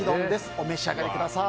お召し上がりください。